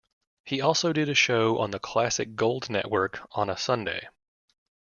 He also did a show on the Classic Gold Network on a Sunday.